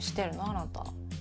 あなた。